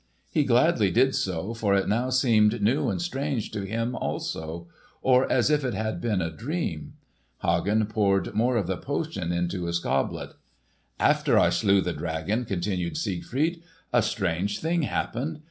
He gladly did so, for it now seemed new and strange to him also; or as if it had been a dream. Hagen poured more of the potion into his goblet. "After I slew the dragon," continued Siegfried, "a strange thing happened.